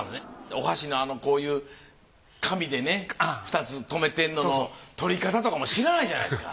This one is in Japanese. お箸のこういう紙でね２つとめてんのの取り方とかも知らないじゃないですか。